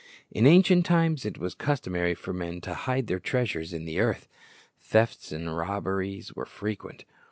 In ancient times it was customary for men to hide their treasures in the earth. Thefts and robberies were frequent.